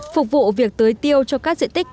phục vụ việc tưới tiêu cho các diện tích